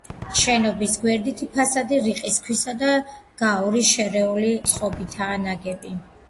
შენობის გვერდითი ფასადები რიყის ქვისა და გაურის შერეული წყობითაა ნაგები.